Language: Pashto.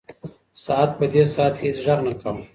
ساعت په دې ساعت کې هیڅ غږ نه کاوه.